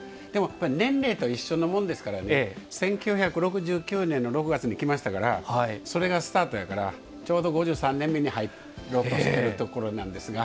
これ年齢と一緒のものですから１９６９年の６月に来ましたからそれがスタートやからちょうど５３年目に入ろうとしているところなんですが。